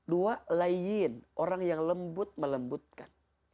dua layin orang yang lembut melembutkan